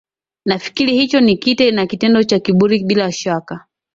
nafikiri hicho ni kite ni kitendo cha kiburi bila shaka